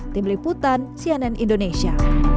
tim liputan cnn indonesia